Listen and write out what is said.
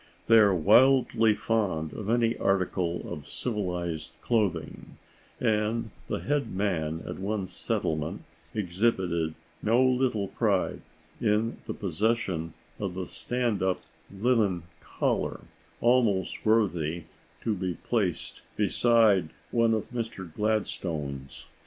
They are wildly fond of any article of civilized clothing, and the head man at one settlement exhibited no little pride in the possession of a stand up linen collar, almost worthy to be placed beside one of Mr. Gladstone's.